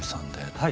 はい。